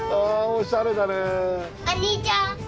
お兄ちゃん！